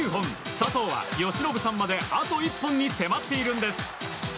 佐藤は由伸さんまであと１本に迫っているんです。